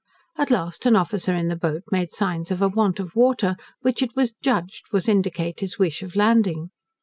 At last an officer in the boat made signs of a want of water, which it was judged would indicate his wish of landing.